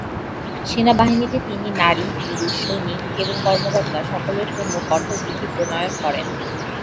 সেনাবাহিনীতে তিনি নারী, পুরুষ সৈনিক এবং কর্মকর্তা সকলের জন্য কঠোর বিধি প্রণয়ন করেন।